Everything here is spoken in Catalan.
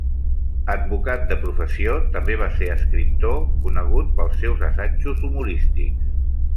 Advocat de professió, també va ser escriptor, conegut pels seus assajos humorístics.